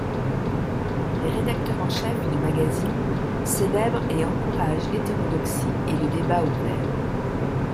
Les rédacteurs en chef du magazine célèbrent et encouragent l'hétérodoxie et le débat ouvert.